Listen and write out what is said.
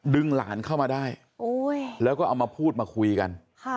หลานเข้ามาได้แล้วก็เอามาพูดมาคุยกัน